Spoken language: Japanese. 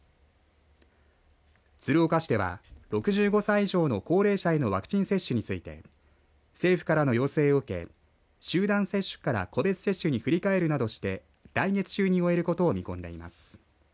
鶴岡市では、６５歳以上の高齢者へのワクチン接種について政府からの要請を受け集団接種から個別接種に振り替えるなどして来月中に終えることを見込んでいます。